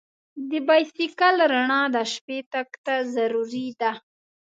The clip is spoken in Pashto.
د بایسکل رڼا د شپې تګ ته ضروري ده.